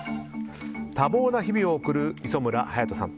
多忙な日々を送る磯村勇斗さん。